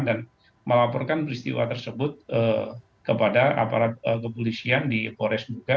dan melaporkan peristiwa tersebut kepada aparat kepolisian di bukalapak